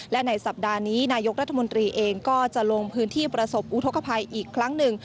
และในสัปดาห์นี้นายกรัฐมนตรีเองก็จะลงพื้นที่ประสบอุทธกภัยอีกครั้งหนึ่ง